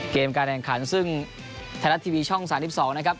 เกมการแห่งขันซึ่งไทยรัตทีวีช่องสามสิบสองนะครับ